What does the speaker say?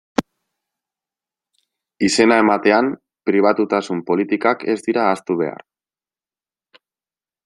Izena ematean, pribatutasun politikak ez dira ahaztu behar.